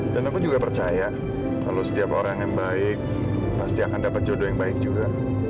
dan aku juga percaya kalau setiap orang yang baik pasti akan dapat jodoh yang baik juga